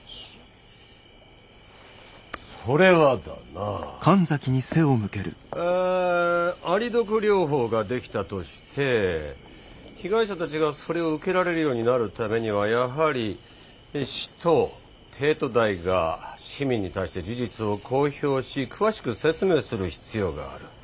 そそれはだなアリ毒療法が出来たとして被害者たちがそれを受けられるようになるためにはやはり市と帝都大が市民に対して事実を公表し詳しく説明する必要がある。